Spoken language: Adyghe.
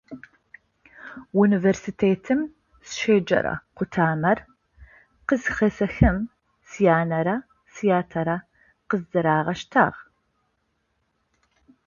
Университетым сызщеджэрэ къутамэр къызхэсэхым, сянэрэ сятэрэ къыздырагъэштагъ.